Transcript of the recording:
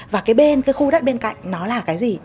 và cái bên cái khu đất bên cạnh nó là cái gì